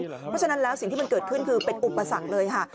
เพราะฉะนั้นแล้วสิ่งที่มันเกิดขึ้นคือเป็นอุปสรรคเลยค่ะ